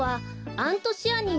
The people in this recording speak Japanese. アントシアニン？